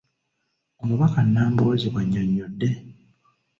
Omubaka Nambooze bw’annyonnyodde.